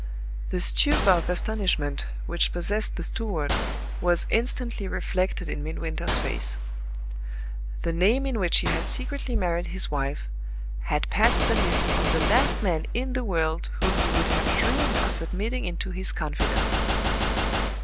The stupor of astonishment which possessed the steward was instantly reflected in Midwinter's face. The name in which he had secretly married his wife had passed the lips of the last man in the world whom he would have dreamed of admitting into his confidence!